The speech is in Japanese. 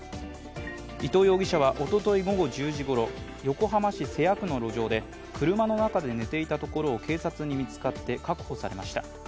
伊藤容疑者はおととい午後１０時ごろ横浜市瀬谷区の路上で車の中で寝ていたところを警察に見つかって確保されました。